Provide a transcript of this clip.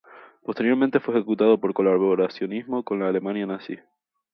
Posteriormente, fue ejecutado por colaboracionismo con la Alemania nazi.